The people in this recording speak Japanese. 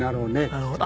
なるほど。